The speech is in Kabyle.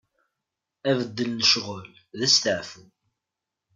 Abeddel n ccɣel, d asteɛfu.